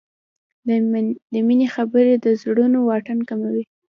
د مینې خبرې د زړونو واټن کموي.